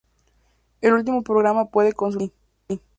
El último programa puede consultarse aquí.